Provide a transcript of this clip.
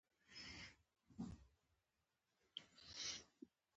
دغه پېښه کابو نيمه پېړۍ مخکې شوې وه.